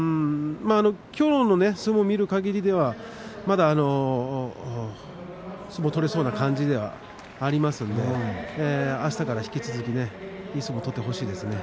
きょうの相撲を見るかぎりではまだ相撲を取れそうな感じではありますんであしたから引き続きいい相撲を取ってほしいですね。